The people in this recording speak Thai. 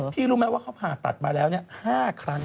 รู้ไหมว่าเขาผ่าตัดมาแล้ว๕ครั้ง